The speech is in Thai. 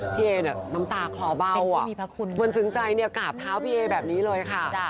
พี่เอน้ำตาคลอเบาเหมือนซึงใจกราบเท้าพี่เอแบบนี้เลยค่ะ